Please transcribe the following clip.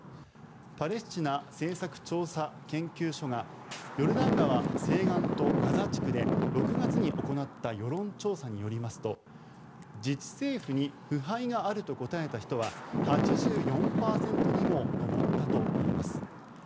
パレスチナ政策調査研究所がヨルダン川西岸とガザ地区で６月に行った世論調査によりますと自治政府に腐敗があると答えた人は８４％にも上ったといいます。